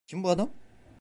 Kim bu adam?